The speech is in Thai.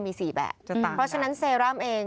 มี๔แบบเพราะฉะนั้นเซรั่มเอง